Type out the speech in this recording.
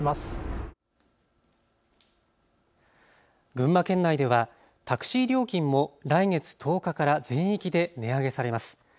群馬県内ではタクシー料金も来月１０日から全域で値上げされます。